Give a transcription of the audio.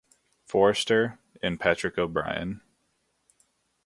Forester, and Patrick O'Brian.